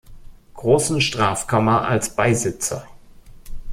Großen Strafkammer als Beisitzer.